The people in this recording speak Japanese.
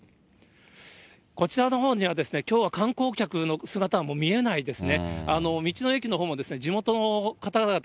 こちらのほうにはきょうは観光客の姿は見えないですね。